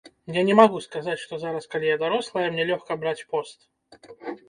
Я не магу сказаць, што зараз, калі я дарослая, мне лёгка браць пост.